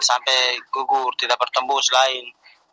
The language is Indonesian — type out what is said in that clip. sampai gugur tidak bertembus lain